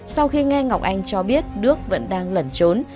sau khi nghe ngọc anh cho biết đức vẫn đang lẩn trốn